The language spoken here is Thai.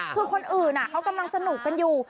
คือคนอื่นเขากำลังสนุกกันอยู่